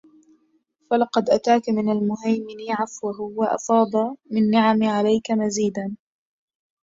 فلقـد أتاك من المهيمـن عـفـوه... وأفاض من نعم عليك مزيـدا